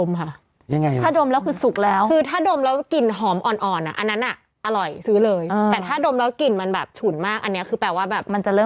ไม่มีมีดบางคนเขาขายยกรูปไปเลยใช่